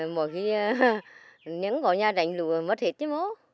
mỗi khi nhấn gọi nhà trành lũ là mất hết chứ mốt